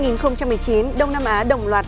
năm hai nghìn một mươi chín đông nam á đồng loạt